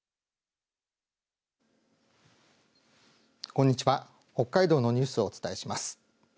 こんにちは、北海道のニュースをお伝えします。